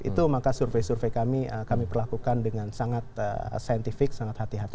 itu maka survei survei kami kami perlakukan dengan sangat saintifik sangat hati hati